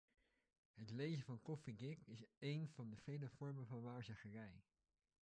Het lezen van koffiedik is een van de vele vormen van waarzeggerij.